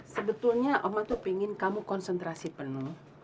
sebetulnya oma tuh pingin kamu konsentrasi penuh